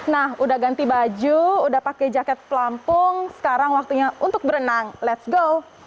nah udah ganti baju udah pakai jaket pelampung sekarang waktunya untuk berenang let's go